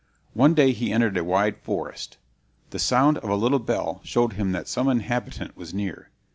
One day he entered a wide forest. The sound of a little bell showed him that some inhabitant was near.